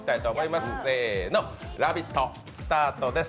せーの、「ラヴィット！」スタートです。